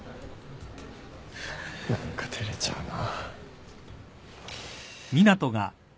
何か照れちゃうな。